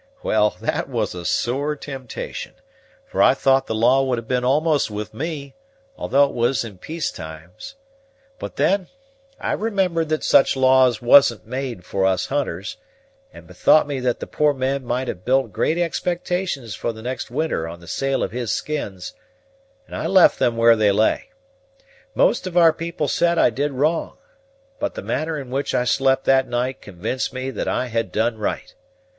Well, that was a sore temptation; for I thought the law would have been almost with me, although it was in peace times. But then, I remembered that such laws wasn't made for us hunters, and bethought me that the poor man might have built great expectations for the next winter on the sale of his skins; and I left them where they lay. Most of our people said I did wrong; but the manner in which I slept that night convinced me that I had done right.